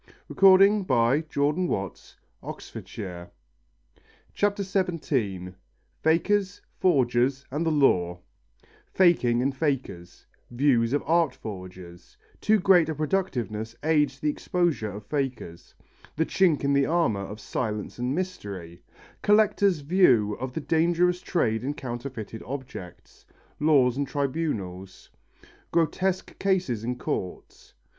The strongest is he who makes the fewest mistakes." CHAPTER XVII FAKERS, FORGERS AND THE LAW Faking and fakers Views of art forgers Too great a productiveness aids the exposure of fakers The chink in the armour of silence and mystery Collector's view of the dangerous trade in counterfeited objects Laws and tribunals Grotesque cases in court M.